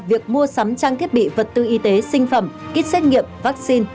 việc mua sắm trang thiết bị vật tư y tế sinh phẩm kit xét nghiệm vaccine